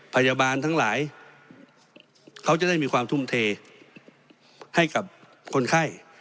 พยาบาลทั้งหลายเขาจะได้มีความทุ่มเทให้กับคนไข้